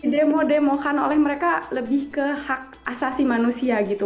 demo demokan oleh mereka lebih ke hak asasi manusia gitu